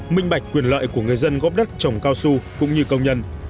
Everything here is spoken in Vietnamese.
minh bạch quyền lợi của người dân góp đất trồng cao su cũng như công nhân